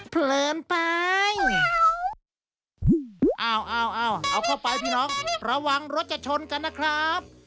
เพลินไปอ้าวเอาเอาเข้าไปพี่น้องระวังรถจะชนกันนะครับ